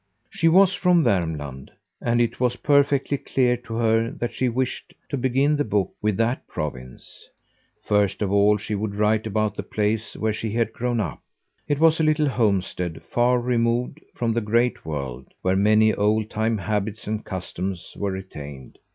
She was from Vermland, and it was perfectly clear to her that she wished to begin the book with that province. First of all she would write about the place where she had grown up. It was a little homestead, far removed from the great world, where many old time habits and customs were retained.